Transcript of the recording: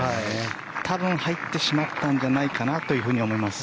多分、入ってしまったんじゃないかなと思います。